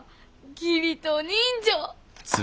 義理と人情！